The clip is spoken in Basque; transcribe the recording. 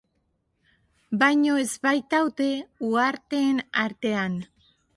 Baino ez baitaude uharteen artean.